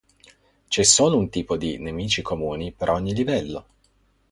C'è un solo tipo di nemici comuni per ogni livello.